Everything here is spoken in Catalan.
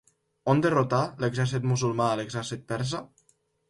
On derrotà l'exèrcit musulmà a l'exèrcit persa?